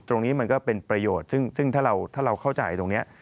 ตรงนี้มันก็เป็นประโยชน์ซึ่งถ้าเราเข้าใจตรงนี้